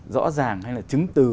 rõ ràng hay là chứng từ